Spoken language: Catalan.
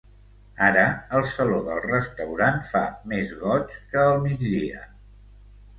Ara el saló del restaurant fa més goig que el migdia.